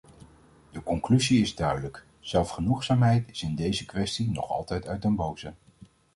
De conclusie is duidelijk: zelfgenoegzaamheid is in deze kwestie nog altijd uit den boze.